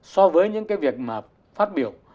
so với những cái việc mà phát biểu